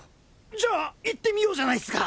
じゃあ行ってみようじゃないっスか！